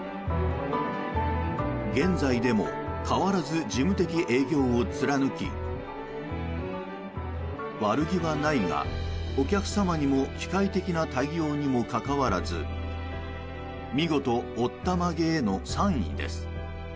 現在でも変わらず事務的営業を貫き悪気はないがお客様にも機械的な対応にもかかわらず見事おったまげーの３位です。